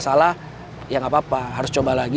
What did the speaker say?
salah ya gapapa harus coba lagi